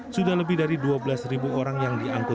sudah lebih dari dua belas orang yang diangkut